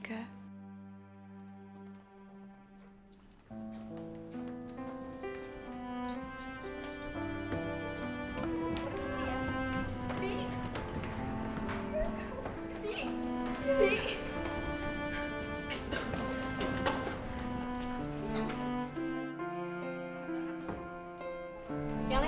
permisi ya bi